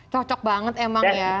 cocok banget emang ya